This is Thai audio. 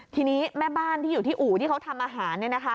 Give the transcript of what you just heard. ทีนี้แม่บ้านที่อยู่ที่อู่ที่เขาทำอาหาร